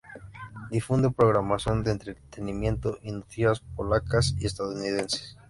Difunde programación de entretenimiento y noticias polacas y estadounidenses.